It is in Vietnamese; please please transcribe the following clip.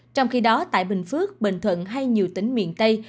trong khi đó tại bình phước bình thuận hay nhiều tỉnh miền tây